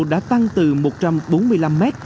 đã tăng từ một trăm bốn mươi năm m